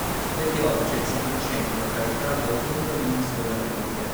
Le piogge si concentrano tra il tardo autunno e l'inizio della primavera.